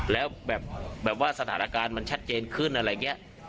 แล้วแบบว่าสถานการณ์มันชัดเจนขึ้นอะไรอย่างนี้